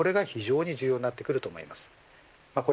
これが非常に重要になってくると思います。